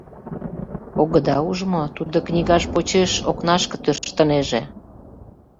— Огыда уж мо, тудо книгаж почеш окнашке тӧрштынеже!